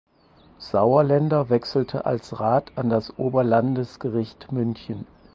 Sauerländer wechselte als Rat an das Oberlandesgericht München.